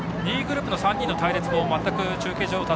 ２位グループの３人の隊列も全く中継所